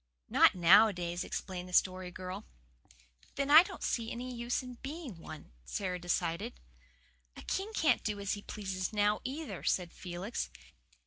"Not nowadays," explained the Story Girl. "Then I don't see any use in being one," Sara decided. "A king can't do as he pleases now, either," said Felix.